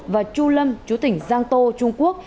và chu lâm chú tỉnh giang tô trung quốc